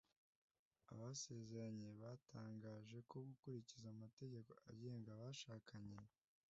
Abasezeranye batangaje ko gukurikiza amategeko agenga abashakanye